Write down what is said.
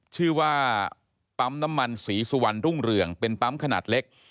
ชื่อว่าปั๊มน้ำมันศรีสุวรรณรุ่งเรืองเป็นปั๊มขนาดเล็ก